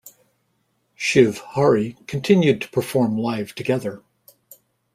Shiv-Hari continue to perform live together.